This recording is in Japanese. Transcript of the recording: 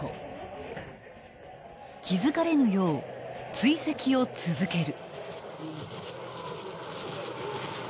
［気付かれぬよう追跡を続ける］